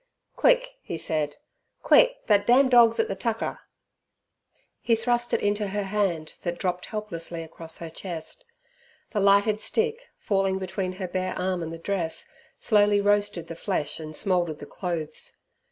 "Quick," he said "quick, that damn dog's at the tucker." He thrust it into her hand that dropped helplessly across her chest. The lighted stick, falling between her bare arm and the dress, slowly roasted the flesh and smouldered the clothes.